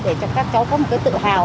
để cho các cháu có một cái tự hào